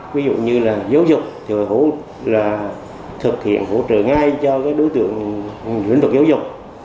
ví dụ như là giáo dục thực hiện hỗ trợ ngay cho đối tượng lĩnh vực giáo dục